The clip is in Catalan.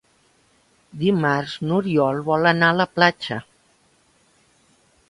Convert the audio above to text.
Dimarts n'Oriol vol anar a la platja.